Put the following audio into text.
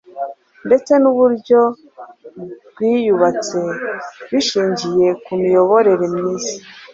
ndetse n’uburyo rwiyubatse bishingiye ku miyoborere myiza.